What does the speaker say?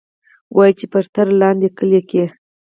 وايي چې پۀ ترلاندۍ کلي کښې